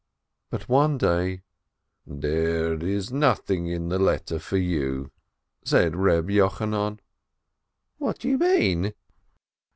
But one day, "There is nothing in the letter for you," said Reb Yochanan. "What do you mean